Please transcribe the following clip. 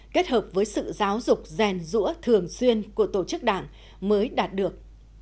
kết hợp với sự giáo dục rèn rũa thường xuyên của tổ chức đảng mới đạt được